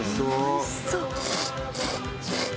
「おいしそう」